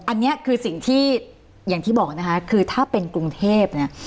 อันนี้คือสิ่งที่อย่างที่บอกนะคะคือถ้าเป็นกรุงเทพเนี่ย